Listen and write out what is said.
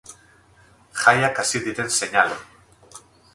Jaiak hasi diren seinale.